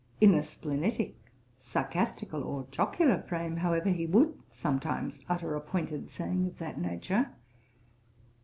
In a splenetick, sarcastical, or jocular frame, however, he would sometimes utter a pointed saying of that nature.